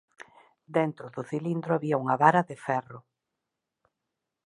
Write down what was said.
Dentro do cilindro había unha vara de ferro.